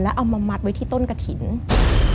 เอามามัดไว้ที่ต้นกระถิ่น